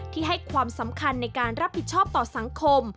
ให้ความสำคัญในการรับผิดชอบต่อสังคม